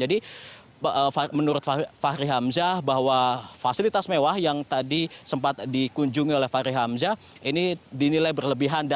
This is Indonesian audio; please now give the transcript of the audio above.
jadi menurut fahri hamzah bahwa fasilitas mewah yang tadi sempat dikunjungi oleh fahri hamzah ini dinilai berlebihan